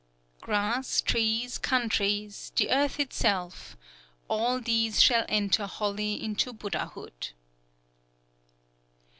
"_Grass, trees, countries, the earth itself, all these shall enter wholly into Buddhahood.